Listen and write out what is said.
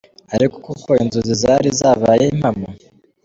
Ariko koko inzozi zari zabaye impamo".